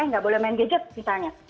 nggak boleh main gadget misalnya